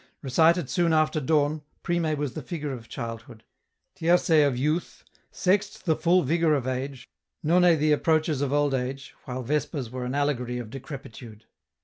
Recited soon after dawn, Prime was the figure of child hood ; Tierce of youth ; Sext the full vigour of age ; None the approaches of old age, while Vespers were an allegory of decrepitude.